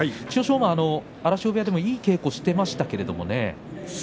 馬荒汐部屋でもいい稽古していましたよね。